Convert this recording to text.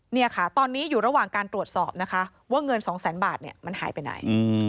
เนี่ยค่ะตอนนี้อยู่ระหว่างการตรวจสอบนะคะว่าเงินสองแสนบาทเนี่ยมันหายไปไหน